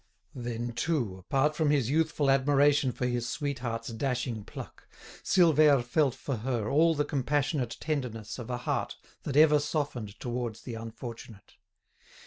Then, too, apart from his youthful admiration for his sweetheart's dashing pluck, Silvère felt for her all the compassionate tenderness of a heart that ever softened towards the unfortunate.